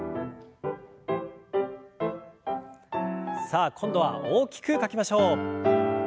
さあ今度は大きく書きましょう。